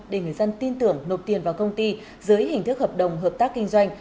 để người dân tin tưởng nộp tiền vào công ty dưới hình thức hợp đồng hợp tác kinh doanh